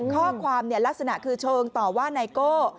เพราะว่าความเนี่ยลักษณะคือเชิงต่อว่าไนโก้